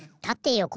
よこ。